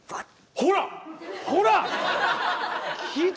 ほらほら！